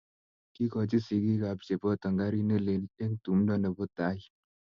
Kiikochi sigiikab cheboto gariit ne lel eng tumdo nebo tai.